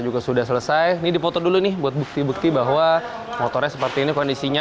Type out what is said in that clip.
juga sudah selesai nih dipotong dulu nih buat bukti bukti bahwa motornya seperti ini kondisinya